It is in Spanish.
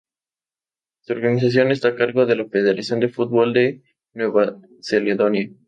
Su organización está a cargo de la Federación de Fútbol de Nueva Caledonia.